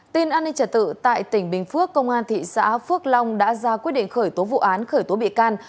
tin an ninh trả tự tại tỉnh bình phước công an thị xã phước long đã ra quyết định khởi tố vụ án khởi tố bị can